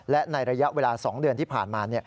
และในระยะเวลา๒เดือนที่ผ่านมา